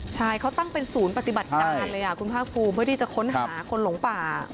ใช่เขาตั้งเป็นศูนย์ปฏิบัติการเลยคุณภาคภูมิเพื่อที่จะค้นหาคนหลงป่า